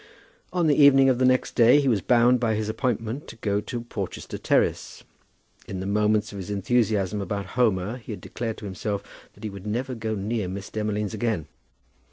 On the evening of the next day he was bound by his appointment to go to Porchester Terrace. In the moments of his enthusiasm about Homer he had declared to himself that he would never go near Miss Demolines again.